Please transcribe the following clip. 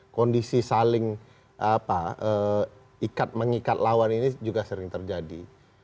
kondisi saling ikat mengikat lawan ini juga sering terjadi